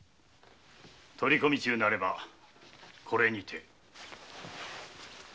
取り込み中なればこれにて。